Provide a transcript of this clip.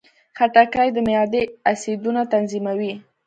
خټکی د معدې اسیدونه تنظیموي.